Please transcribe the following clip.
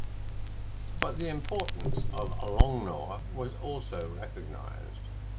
But the importance of Longnor was also recognised.